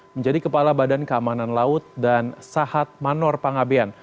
menjadi kepala badan keamanan laut dan sahat manor pangabean